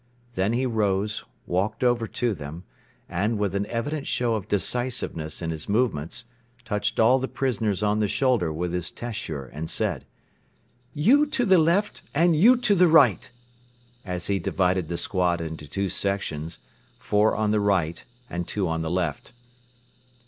Then he rose, walked over to them and, with an evident show of decisiveness in his movements, touched all the prisoners on the shoulder with his tashur and said: "You to the left and you to the right!" as he divided the squad into two sections, four on the right and two on the left.